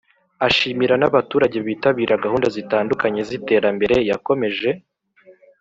ashimira n abaturage bitabira gahunda zitandukanye z iterambere Yakomeje